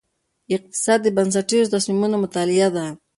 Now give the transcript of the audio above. اقتصاد د بنسټیزو تصمیمونو مطالعه ده.